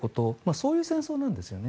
そういう戦争なんですよね。